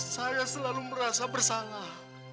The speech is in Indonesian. saya selalu merasa bersalah